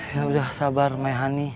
ya udah sabar mea hani